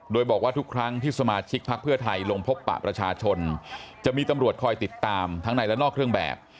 โดยบอกว่าทุกครั้งที่สมาชิกพักเพื่อไทยลงพบปะประชาชนจะมีตำรวจคอยติดตามทั้งในและนอกเครื่องแบบ